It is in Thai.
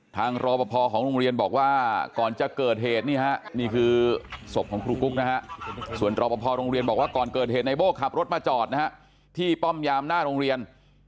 รอปภของโรงเรียนบอกว่าก่อนจะเกิดเหตุนี่ฮะนี่คือศพของครูกุ๊กนะฮะส่วนรอปภโรงเรียนบอกว่าก่อนเกิดเหตุในโบ้ขับรถมาจอดนะฮะที่ป้อมยามหน้าโรงเรียน